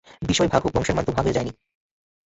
বিষয় ভাগ হোক, বংশের মান তো ভাগ হয়ে যায় নি।